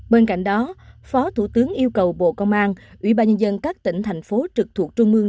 bên cạnh đó phó thủ tướng yêu cầu bộ công an ủy ban nhân dân các tỉnh thành phố trực thuộc trung mương